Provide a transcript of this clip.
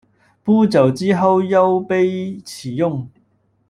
不久之后又被起用。